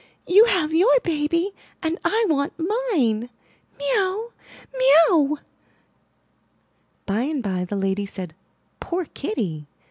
You have your baby, and I want mine! Mee ow, mee ow!'* By and by the lady said: *Toor Kitty!